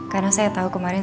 karena saya tau kemarin